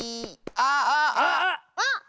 あっ！